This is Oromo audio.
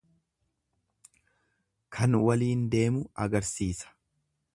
Kan waliin deemu agarsiisa.